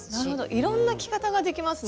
いろんな着方ができますね。